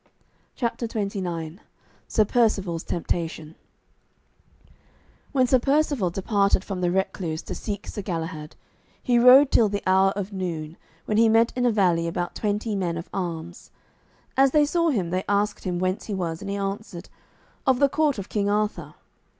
CHAPTER XXIX SIR PERCIVALE'S TEMPTATION When Sir Percivale departed from the recluse to seek Sir Galahad, he rode till the hour of noon, when he met in a valley about twenty men of arms. As they saw him they asked him whence he was, and he answered, "Of the court of King Arthur."